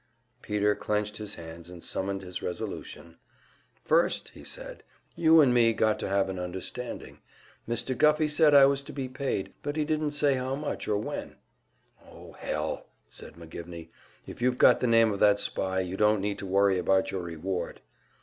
Peter clenched his hands and summoned his resolution. "First," he said, "you and me got to have an understanding. Mr. Guffey said I was to be paid, but he didn't say how much, or when." "Oh, hell!" said McGivney. "If you've got the name of that spy, you don't need to worry about your reward."